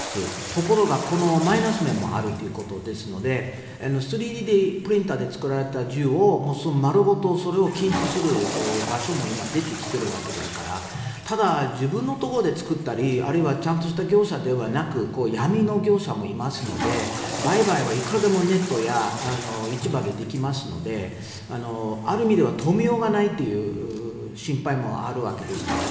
ところがマイナス面もあるということですので３Ｄプリンターで作られた銃を丸ごとそれを禁止する場所も出てきていますからただ、自分のところで作ったりあるいはちゃんとした業者ではなく闇の業者もいますので売買はいくらでもネットや市場でできますのである意味では止めようがないという心配もあるわけですから。